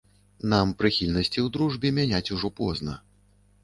Нам прыхільнасці ў дружбе мяняць ўжо позна.